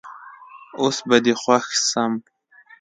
اوس به دي خوښ سم